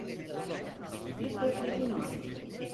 Bir teklifim var.